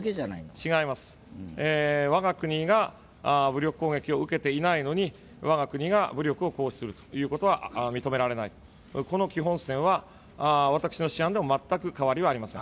違います、我が国が武力攻撃を受けていないのに我が国が武力を行使することは認められない認められない、この基本姿勢は私の私案でも全く変わりはありません。